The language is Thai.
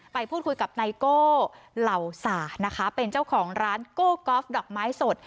ไปพูดคุยกับไนโก้เหล่าสานะคะเป็นเจ้าของร้านโก้กอล์ฟดอกไม้สด